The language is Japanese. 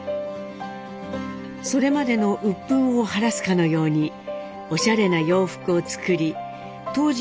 それまでの鬱憤を晴らすかのようにおしゃれな洋服を作り当時